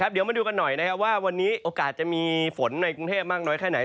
เดี๋ยวมาดูกันหน่อยว่าวันนี้โอกาสจะมีฝนในกรุงเทพมากน้อยแค่ไหน